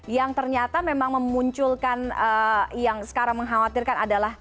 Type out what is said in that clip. yang ternyata memang memunculkan yang sekarang mengkhawatirkan adalah